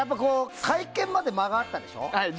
会見まで間があったでしょ？